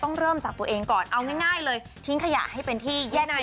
เริ่มจากตัวเองก่อนเอาง่ายเลยทิ้งขยะให้เป็นที่แย่ง่าย